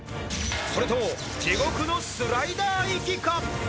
それとも地獄のスライダー行きか？